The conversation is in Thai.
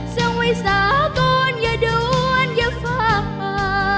จังไว้สากลคนอย่าด้วยอย่าเฝ้า